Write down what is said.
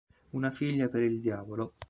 Una figlia per il diavolo